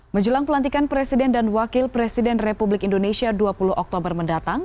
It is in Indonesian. menjelang pelantikan presiden dan wakil presiden republik indonesia dua puluh oktober mendatang